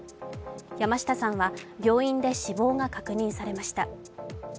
山下さんは病院で死亡が確認されました。